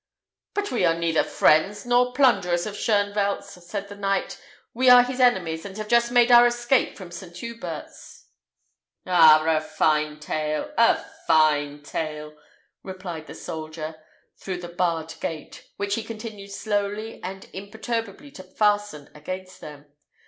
"But we are neither friends nor plunderers of Shoenvelt's," said the knight: "we are his enemies, and have just made our escape from St. Hubert's." "Ah! a fine tale! a fine tale!" replied the soldier, through the barred gate, which he continued slowly and imperturbably to fasten against them.